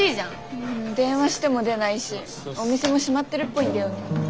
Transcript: うん電話しても出ないしお店も閉まってるっぽいんだよね。